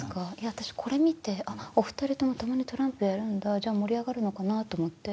私これ見てお２人とも共にトランプやるんだじゃ盛り上がるのかなと思って。